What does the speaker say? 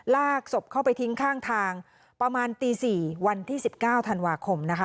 ลากศพเข้าไปทิ้งข้างทางประมาณตี๔วันที่๑๙ธันวาคมนะคะ